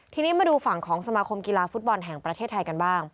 ทีนี้มาดูฝั่งของสมาคมกีฬาฟุตบอลแห่งประเทศไทยกันบ้าง